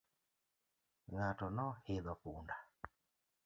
Ng'ato no hidho punda.